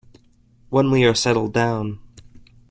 When we are settled down.